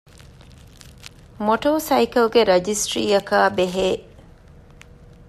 މޮޓޯސައިކަލްގެ ރަޖިސްޓަރީއަކާބެހޭ